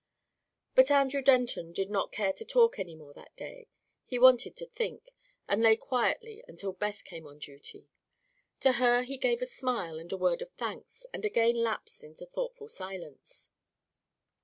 But Andrew Denton did not care to talk any more that day. He wanted to think, and lay quietly until Beth came on duty. To her he gave a smile and a word of thanks and again lapsed into thoughtful silence.